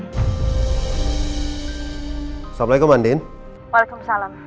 assalamualaikum andin waalaikumsalam